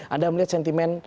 anda melihat sentimen